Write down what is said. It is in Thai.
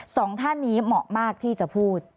สองท่านนี้เหมาะมากที่จะพูด